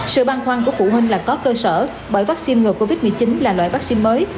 sự băng khoăn của phụ huynh là có cơ sở bởi vắc xin ngừa covid một mươi chín là loại vắc xin mới